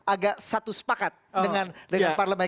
agak satu sepakat dengan parlemen